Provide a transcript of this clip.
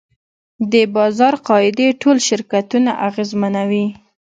د بازار قاعدې ټول شرکتونه اغېزمنوي.